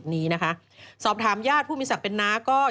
ซึ่งตอน๕โมง๔๕นะฮะทางหน่วยซิวได้มีการยุติการค้นหาที่